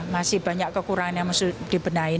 masih banyak kekurangan yang harus dibenahin